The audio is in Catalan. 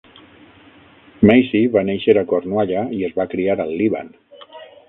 Massey va néixer a Cornualla i es va criar al Líban.